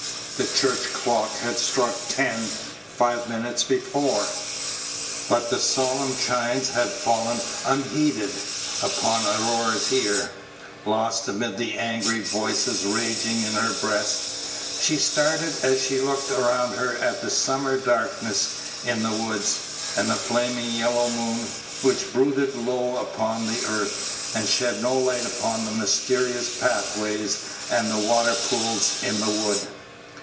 The church clock had struck ten five minutes before, but the solemn chimes had fallen unheeded upon Aurora's ear, lost amid the angry voices raging in her breast. She started as she looked around her at the summer darkness in the woods, and the flaming yellow moon, which brooded low upon the earth, and shed no light upon the mysterious pathways and the water pools in the wood.